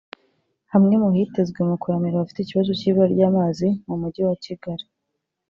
Hamwe mu hitezwe mu kuramira abafite ikibazo cy’ibura ry’ amazi mu Mujyi wa Kigali